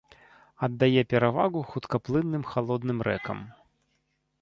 Аддае перавагу хуткаплынным халодным рэкам.